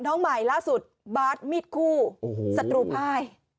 น้องใหม่ล่าสุดบาทมิดคู่สตูภาย